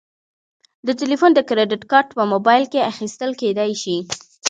د تلیفون د کریدت کارت په موبایل کې اخیستل کیدی شي.